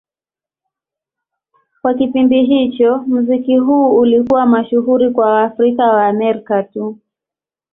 Kwa kipindi hicho, muziki huu ulikuwa mashuhuri kwa Waafrika-Waamerika tu.